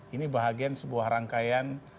ini bahagian sebuah rangkaian